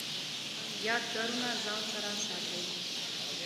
یادګارونه ځان سره ساتئ؟